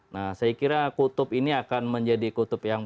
nah saya kira kutub ini akan menjadi kutub yang